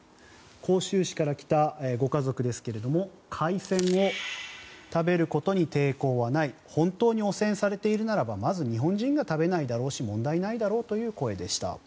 広州市から来たご家族ですが海鮮を食べることに抵抗はない本当に汚染されているならばまず日本人が食べないだろうし問題ないだろうという声でした。